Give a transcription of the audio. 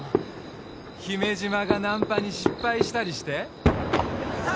姫島がナンパに失敗したりして。